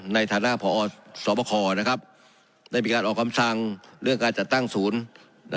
ในฐานะพอสวบคได้มีการออกคำสั่งเรื่องการจัดตั้งศูนย์